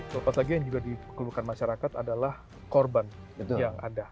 lepas lagi yang juga dikeluhkan masyarakat adalah korban yang ada